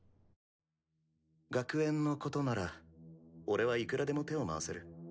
学園のことなら俺はいくらでも手を回せる。